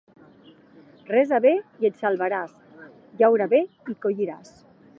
Resa bé i et salvaràs, llaura bé i colliràs.